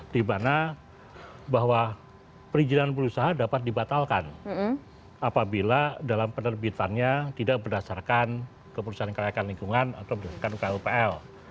di mana bahwa perizinan berusaha dapat dibatalkan apabila dalam penerbitannya tidak berdasarkan keperusahaan kelayakan lingkungan atau berdasarkan rkh rpl